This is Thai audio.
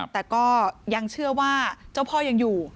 แต่ก็ยังเชื่อว่าเจ้าพ่อยังอยู่